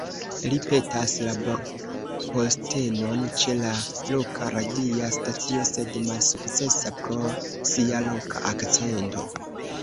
Li petas laborpostenon ĉe la loka radia stacio, sed malsukcesas pro sia loka akcento.